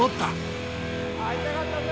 会いたかったぜ！